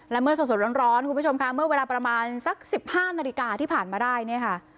และเมื่อสดร้อนคุณผู้ชมค่ะเมื่อเวลาประมาณสัก๑๕นาฬิกาที่ผ่านมาได้เนี่ยค่ะ